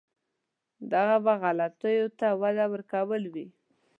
دا به غلطیو ته وده ورکول وي.